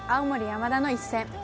青森山田の一戦。